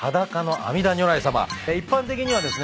一般的にはですね